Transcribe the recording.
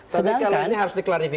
sedangkan sedangkan survei